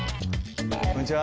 こんにちは。